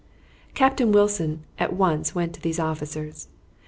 Captain Wilson at once went to these officers.